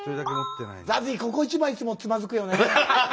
ここ一番いつもつまずくよね。